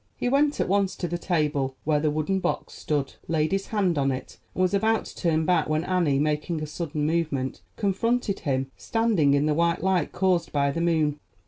He went at once to the table where the wooden box stood, laid his hand on it, and was about to turn back when Annie, making a sudden movement, confronted him, standing in the white light caused by the moon.